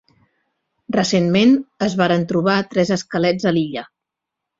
Recentment es varen trobar tres esquelets a l'illa.